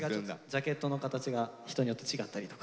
ジャケットの形が人によって違ったりとか。